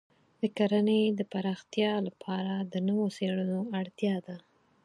د کرنې د پراختیا لپاره د نوو څېړنو اړتیا ده.